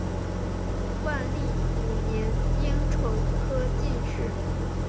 万历五年丁丑科进士。